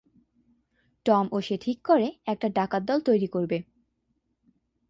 Tom ও সে ঠিক করে একটা ডাকাত দল তৈরি করবে।